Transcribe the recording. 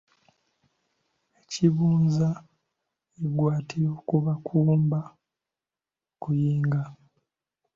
Ekibunza eggwaatiro kuba nkuba kuyinga.